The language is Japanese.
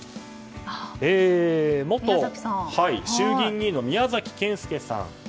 元衆議院議員の宮崎謙介さん。